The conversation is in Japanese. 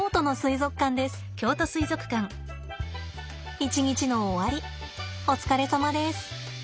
一日の終わりお疲れさまです。